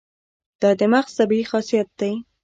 دا د مغز طبیعي خاصیت دی.